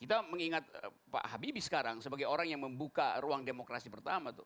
kita mengingat pak habibie sekarang sebagai orang yang membuka ruang demokrasi pertama tuh